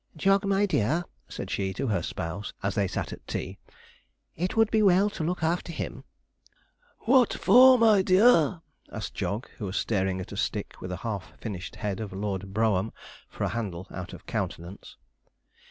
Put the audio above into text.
'Jog, my dear,' said she, to her spouse, as they sat at tea; 'it would be well to look after him.' 'What for, my dear?' asked Jog, who was staring a stick, with a half finished head of Lord Brougham for a handle, out of countenance.